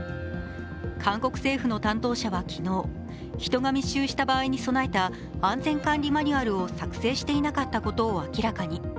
韓国政府の担当者は昨日、人が密集した場合に備えた安全管理マニュアルを作成していなかったことを明らかに。